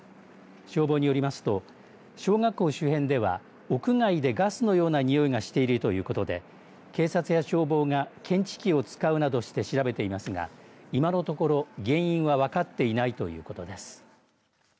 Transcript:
消防によりますと小学校周辺では屋外でガスのような臭いがしているということで警察や消防が検知器を使うなどして調べていますが今のところ原因は分かっていないということです。